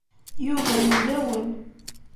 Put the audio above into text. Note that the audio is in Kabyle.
Yuba yewlawel.